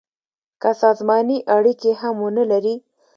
که سازماني اړیکي هم ونه لري.